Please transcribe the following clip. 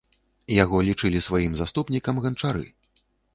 Яго лічылі сваім заступнікам ганчары.